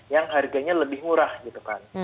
yang harganya lebih murah gitu kan